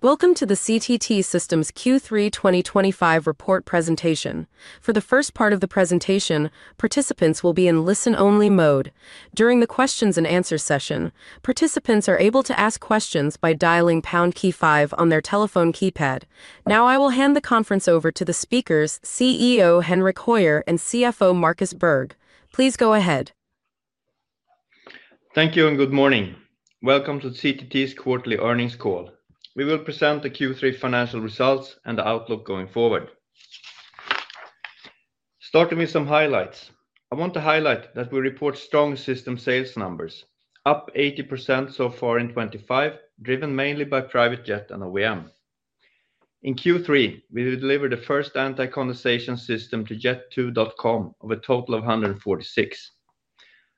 Welcome to the CTT Systems Q3 2025 report presentation. For the first part of the presentation, participants will be in listen-only mode. During the questions and answers session, participants are able to ask questions by dialing #KEY5 on their telephone keypad. Now, I will hand the conference over to the speakers, CEO Henrik Höjer and CFO Markus Berg. Please go ahead. Thank you and good morning. Welcome to CTT Systems AB's quarterly earnings call. We will present the Q3 financial results and the outlook going forward. Starting with some highlights, I want to highlight that we report strong system sales numbers, up 80% so far in 2025, driven mainly by PrivateJet and OEM. In Q3, we delivered the first anti-condensation system to Jet2.com, with a total of 146.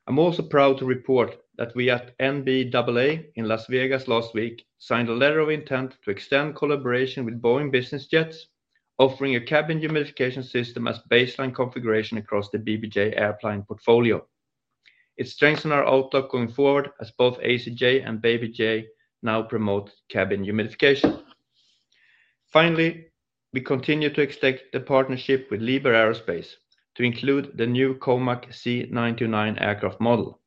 I'm also proud to report that we at NBAA in Las Vegas last week signed a letter of intent to extend collaboration with Boeing Business Jets, offering a cabin humidification system as a baseline configuration across the BBJ portfolio. It strengthens our outlook going forward as both ACJ and BBJ now promote cabin humidification. Finally, we continue to extend the partnership with Liebherr Aerospace to include the new COMAC C929 aircraft model.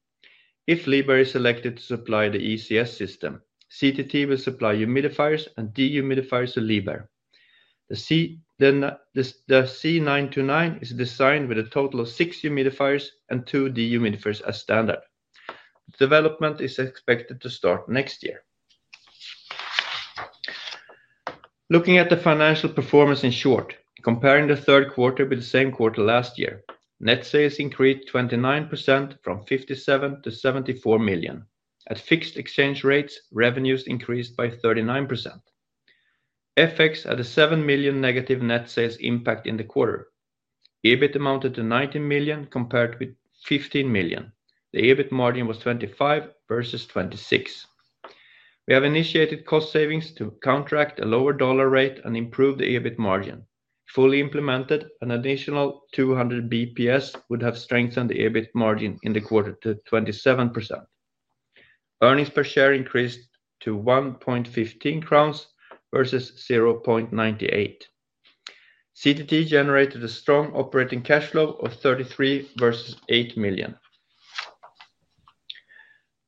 If Liebherr is selected to supply the environmental control system, CTT Systems AB will supply humidifiers and dehumidifiers to Liebherr. The C929 is designed with a total of six humidifiers and two dehumidifiers as standard. The development is expected to start next year. Looking at the financial performance in short, comparing the third quarter with the same quarter last year, net sales increased 29% from 57 million to 74 million. At fixed exchange rates, revenues increased by 39%. FX had a 7 million negative net sales impact in the quarter. EBIT amounted to 19 million compared with 15 million. The EBIT margin was 25% versus 26%. We have initiated cost savings to contract a lower dollar rate and improve the EBIT margin. Fully implemented, an additional 200 bps would have strengthened the EBIT margin in the quarter to 27%. Earnings per share increased to 1.15 crowns versus 0.98. CTT Systems AB generated a strong operating cash flow of 33 million versus 8 million.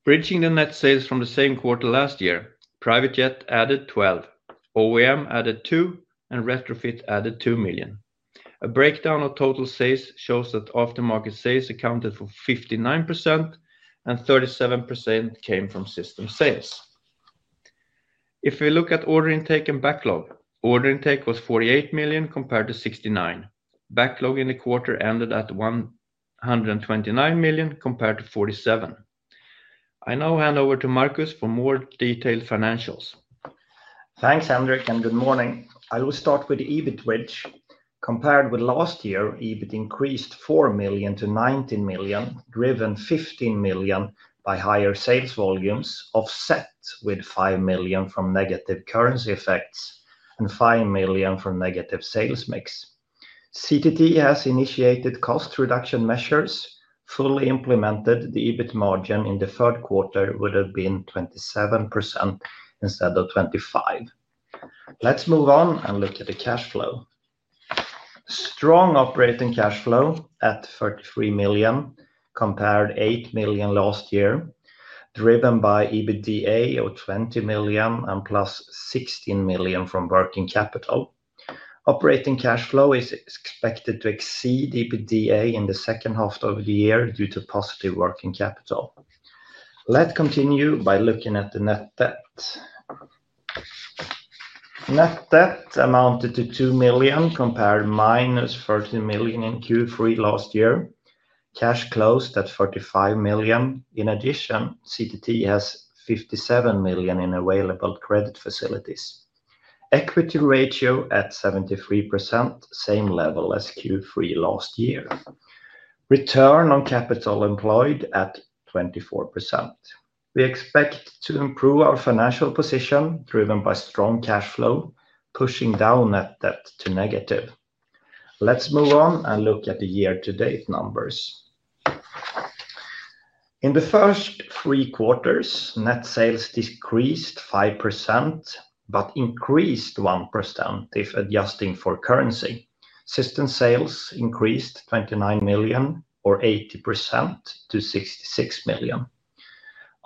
Bridging the net sales from the same quarter last year, PrivateJet added 12 million, OEM added 2 million, and retrofit added 2 million. A breakdown of total sales shows that aftermarket sales accounted for 59%, and 37% came from system sales. If we look at order intake and backlog, order intake was 48 million compared to 69 million. Backlog in the quarter ended at 129 million compared to 47 million. I now hand over to Markus for more detailed financials. Thanks, Henrik, and good morning. I will start with the EBIT margin. Compared with last year, EBIT increased 4 million to 19 million, driven 15 million by higher sales volumes, offset with 5 million from negative currency effects and 5 million from negative sales mix. CTT has initiated cost reduction measures. Fully implemented, the EBIT margin in the third quarter would have been 27% instead of 25%. Let's move on and look at the cash flow. Strong operating cash flow at 33 million compared to 8 million last year, driven by EBITDA of 20 million and plus 16 million from working capital. Operating cash flow is expected to exceed EBITDA in the second half of the year due to positive working capital. Let's continue by looking at the net debt. Net debt amounted to 2 million compared to minus 30 million in Q3 last year. Cash closed at 45 million. In addition, CTT has 57 million in available credit facilities. Equity ratio at 73%, same level as Q3 last year. Return on capital employed at 24%. We expect to improve our financial position, driven by strong cash flow, pushing down net debt to negative. Let's move on and look at the year-to-date numbers. In the first three quarters, net sales decreased 5% but increased 1% if adjusting for currency. System sales increased 29 million, or 80%, to 66 million.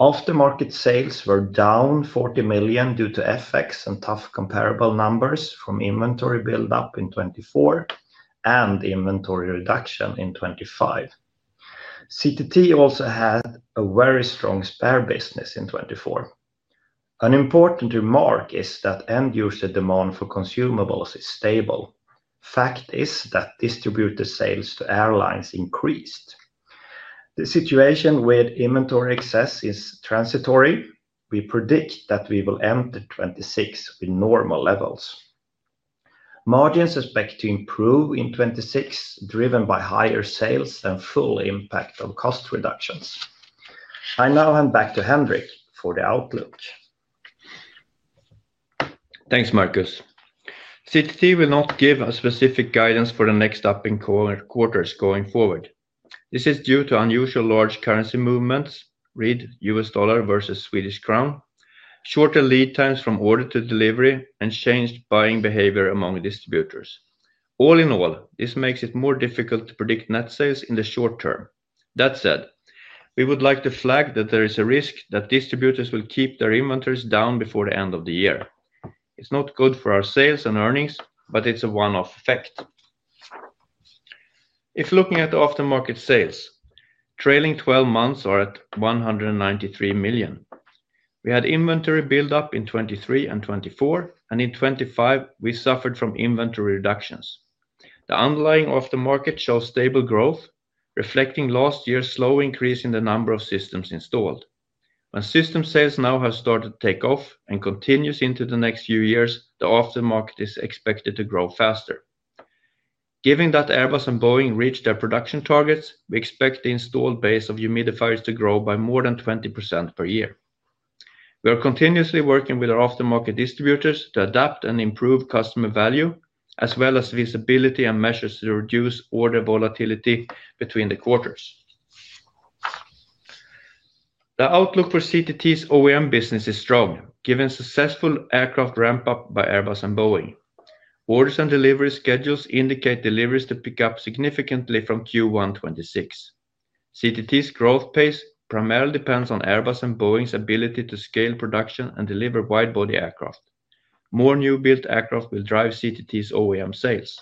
Aftermarket sales were down 40 million due to FX and tough comparable numbers from inventory buildup in 2024 and inventory reduction in 2025. CTT also had a very strong spare business in 2024. An important remark is that end-user demand for consumables is stable. Fact is that distributor sales to airlines increased. The situation with inventory excess is transitory. We predict that we will enter 2026 with normal levels. Margins expect to improve in 2026, driven by higher sales and full impact of cost reductions. I now hand back to Henrik for the outlook. Thanks, Markus. CTT will not give a specific guidance for the next upcoming quarters going forward. This is due to unusual large currency movements: read U.S. dollar versus Swedish krona, shorter lead times from order to delivery, and changed buying behavior among distributors. All in all, this makes it more difficult to predict net sales in the short term. That said, we would like to flag that there is a risk that distributors will keep their inventories down before the end of the year. It's not good for our sales and earnings, but it's a one-off effect. If looking at aftermarket sales, trailing 12 months are at 193 million. We had inventory buildup in 2023 and 2024, and in 2025, we suffered from inventory reductions. The underlying aftermarket shows stable growth, reflecting last year's slow increase in the number of systems installed. When system sales now have started to take off and continue into the next few years, the aftermarket is expected to grow faster. Given that Airbus and Boeing reached their production targets, we expect the installed base of humidifiers to grow by more than 20% per year. We are continuously working with our aftermarket distributors to adapt and improve customer value, as well as visibility and measures to reduce order volatility between the quarters. The outlook for CTT's OEM business is strong, given successful aircraft ramp-up by Airbus and Boeing. Orders and delivery schedules indicate deliveries to pick up significantly from Q1 2026. CTT's growth pace primarily depends on Airbus and Boeing's ability to scale production and deliver wide-body aircraft. More new-built aircraft will drive CTT's OEM sales.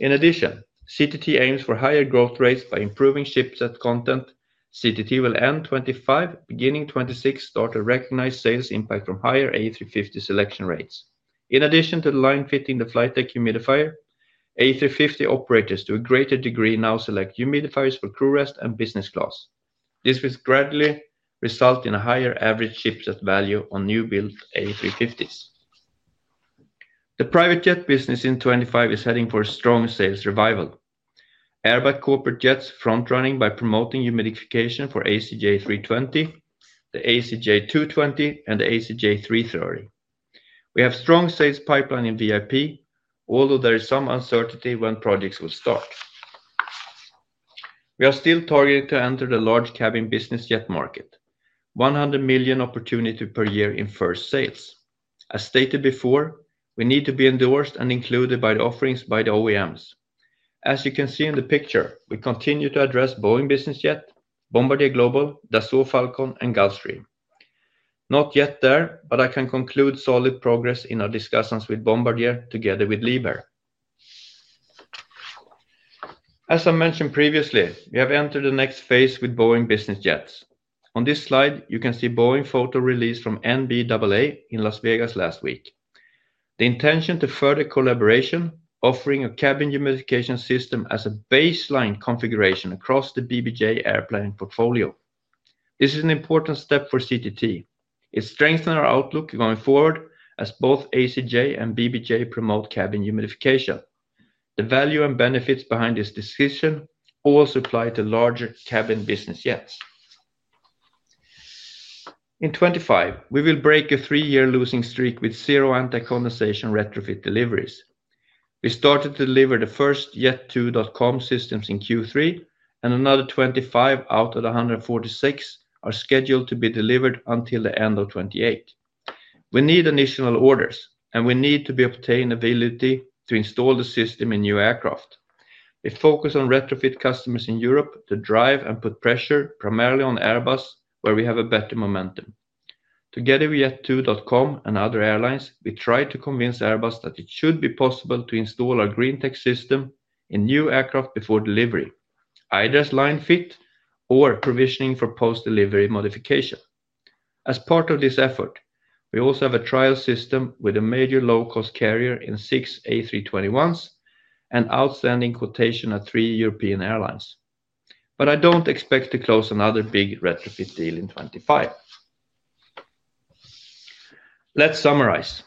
In addition, CTT aims for higher growth rates by improving ship set content. CTT will end 2025, beginning 2026, start to recognize sales impact from higher A350 selection rates. In addition to the line fitting the flight deck humidifier, A350 operators to a greater degree now select humidifiers for crew rest and business class. This will gradually result in a higher average ship set value on new-built A350s. The PrivateJet business in 2025 is heading for a strong sales revival. Airbus Corporate Jets front-running by promoting humidification for ACJ320, the ACJ220, and the ACJ330. We have a strong sales pipeline in VIP, although there is some uncertainty when projects will start. We are still targeting to enter the large cabin business jet market. 100 million opportunity per year in first sales. As stated before, we need to be endorsed and included by the offerings by the OEMs. As you can see in the picture, we continue to address Boeing Business Jets, Bombardier Global, Dassault Falcon, and Gulfstream. Not yet there, but I can conclude solid progress in our discussions with Bombardier together with Liebherr Aerospace. As I mentioned previously, we have entered the next phase with Boeing Business Jets. On this slide, you can see a Boeing photo released from NBAA in Las Vegas last week. The intention is further collaboration, offering a cabin humidification system as a baseline configuration across the BBJ portfolio. This is an important step for CTT Systems AB. It strengthens our outlook going forward as both ACJ and BBJ promote cabin humidification. The value and benefits behind this decision also apply to larger cabin business jets. In 2025, we will break a three-year losing streak with zero anti-condensation retrofit deliveries. We started to deliver the first Jet2.com systems in Q3, and another 25 out of the 146 are scheduled to be delivered until the end of 2028. We need additional orders, and we need to obtain availability to install the system in new aircraft. We focus on retrofit customers in Europe to drive and put pressure primarily on Airbus, where we have better momentum. Together with Jet2.com and other airlines, we try to convince Airbus that it should be possible to install our green tech system in new aircraft before delivery, either as line-fit or provisioning for post-delivery modification. As part of this effort, we also have a trial system with a major low-cost carrier in six A321s and outstanding quotation at three European airlines. I don't expect to close another big retrofit deal in 2025. Let's summarize.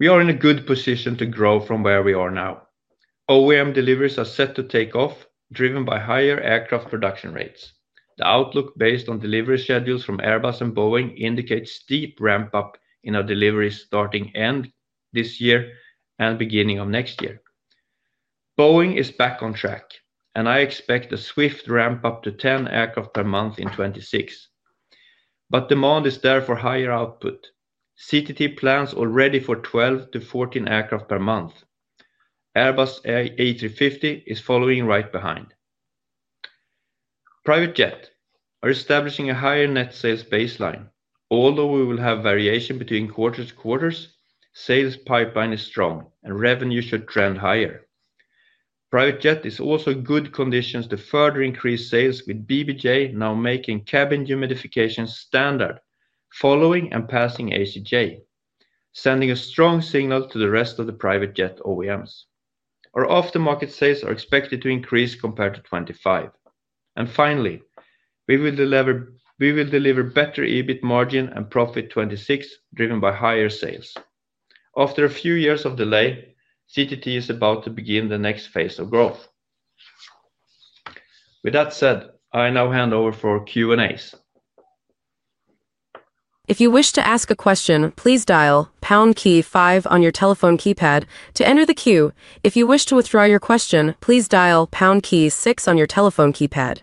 We are in a good position to grow from where we are now. OEM deliveries are set to take off, driven by higher aircraft production rates. The outlook based on delivery schedules from Airbus and Boeing indicates a steep ramp-up in our deliveries starting end of this year and beginning of next year. Boeing is back on track, and I expect a swift ramp-up to 10 aircraft per month in 2026. Demand is there for higher output. CTT Systems AB plans already for 12 to 14 aircraft per month. Airbus A350 is following right behind. PrivateJet is establishing a higher net sales baseline. Although we will have variation between quarters, the sales pipeline is strong, and revenue should trend higher. PrivateJet is also in good conditions to further increase sales with BBJ now making cabin humidification standard, following and passing ACJ, sending a strong signal to the rest of the PrivateJet OEMs. Our aftermarket sales are expected to increase compared to 2025. Finally, we will deliver better EBIT margin and profit in 2026, driven by higher sales. After a few years of delay, CTT is about to begin the next phase of growth. With that said, I now hand over for Q&As. If you wish to ask a question, please dial #KEY5 on your telephone keypad to enter the queue. If you wish to withdraw your question, please dial #KEY6 on your telephone keypad.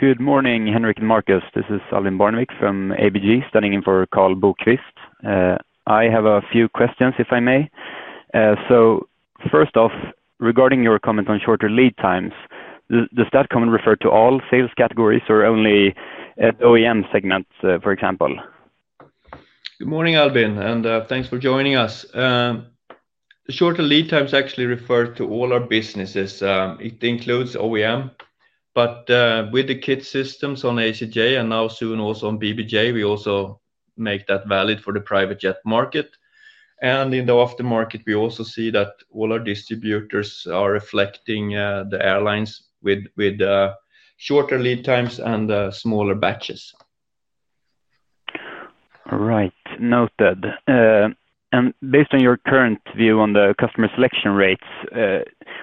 Good morning, Henrik and Markus. This is Albin Barnevik from ABG standing in for Karl Bokkvist. I have a few questions, if I may. First off, regarding your comment on shorter lead times, does that comment refer to all sales categories or only OEM segments, for example? Good morning, Albin, and thanks for joining us. The shorter lead times actually refer to all our businesses. It includes OEM, but with the kit systems on ACJ and now soon also on BBJ, we also make that valid for the PrivateJet market. In the aftermarket, we also see that all our distributors are reflecting the airlines with shorter lead times and smaller batches. All right, noted. Based on your current view on the customer selection rates,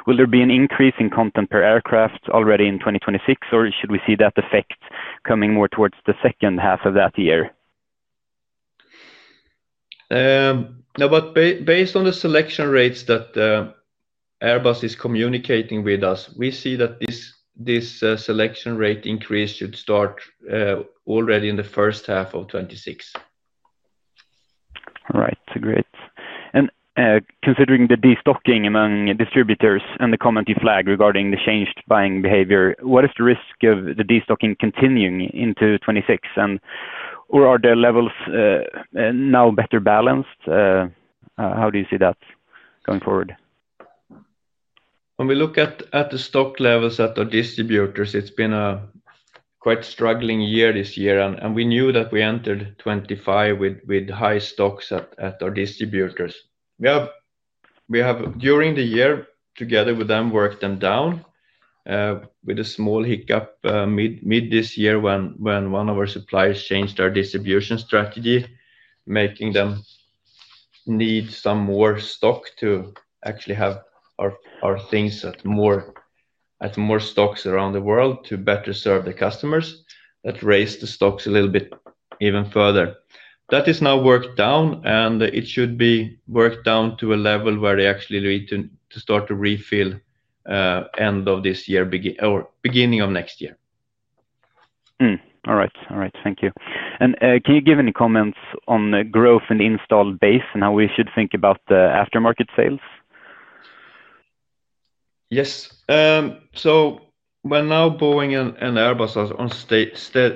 will there be an increase in content per aircraft already in 2026, or should we see that effect coming more towards the second half of that year? Now, based on the selection rates that Airbus is communicating with us, we see that this selection rate increase should start already in the first half of 2026. All right, great. Considering the destocking among distributors and the comment you flagged regarding the changed buying behavior, what is the risk of the destocking continuing into 2026? Are the levels now better balanced? How do you see that going forward? When we look at the stock levels at our distributors, it's been a quite struggling year this year, and we knew that we entered 2025 with high stocks at our distributors. We have, during the year, together with them, worked them down with a small hiccup mid this year when one of our suppliers changed our distribution strategy, making them need some more stock to actually have our things at more stocks around the world to better serve the customers. That raised the stocks a little bit even further. That is now worked down, and it should be worked down to a level where they actually need to start to refill end of this year or beginning of next year. All right, thank you. Can you give any comments on the growth in the installed base and how we should think about the aftermarket sales? Yes. When now Boeing and Airbus are on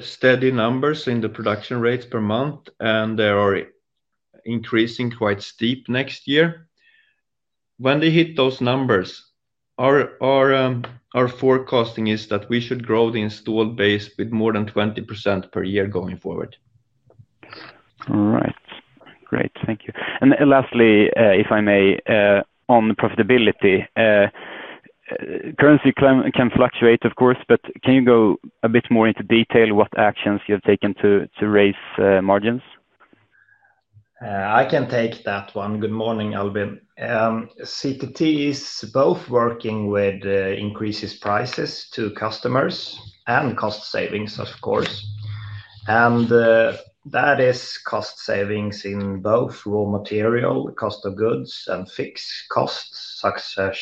steady numbers in the production rates per month, and they are increasing quite steep next year, when they hit those numbers, our forecasting is that we should grow the installed base with more than 20% per year going forward. All right, great, thank you. Lastly, if I may, on the profitability, currency can fluctuate, of course, but can you go a bit more into detail what actions you have taken to raise margins? I can take that one. Good morning, Albin. CTT Systems AB is both working with increases in prices to customers and cost savings, of course. That is cost savings in both raw material, cost of goods, and fixed costs, such as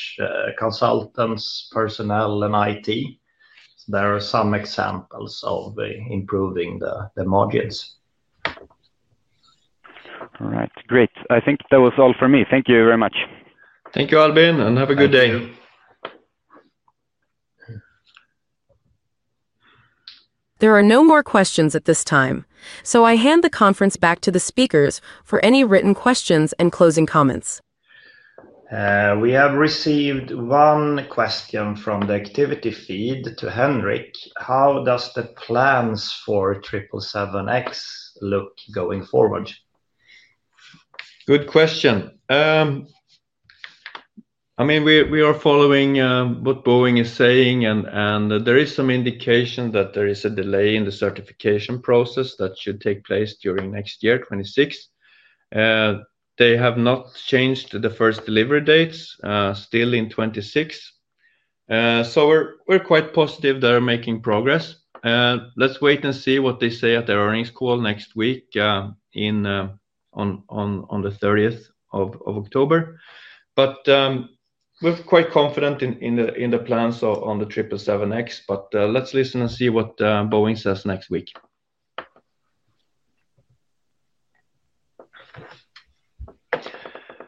consultants, personnel, and IT. There are some examples of improving the margins. All right, great. I think that was all for me. Thank you very much. Thank you, Albin, and have a good day. There are no more questions at this time, so I hand the conference back to the speakers for any written questions and closing comments. We have received one question from the activity feed to Henrik. How do the plans for 777X look going forward? Good question. I mean, we are following what Boeing is saying, and there is some indication that there is a delay in the certification process that should take place during next year, 2026. They have not changed the first delivery dates, still in 2026. We're quite positive they're making progress. Let's wait and see what they say at their earnings call next week on the 30th of October. We're quite confident in the plans on the 777X, but let's listen and see what Boeing says next week.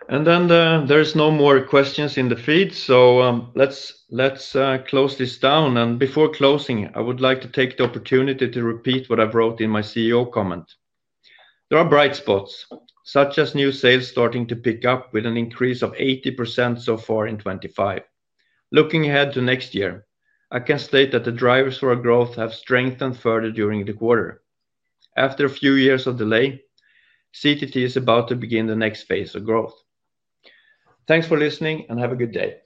There are no more questions in the feed, so let's close this down. Before closing, I would like to take the opportunity to repeat what I wrote in my CEO comment. There are bright spots, such as new sales starting to pick up with an increase of 80% so far in 2025. Looking ahead to next year, I can state that the drivers for our growth have strengthened further during the quarter. After a few years of delay, CTT Systems AB is about to begin the next phase of growth. Thanks for listening, and have a good day.